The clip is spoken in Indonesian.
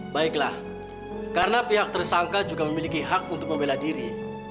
baiklah karena pihak tersangka juga memiliki hak untuk membela diri